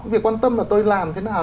việc quan tâm là tôi làm thế nào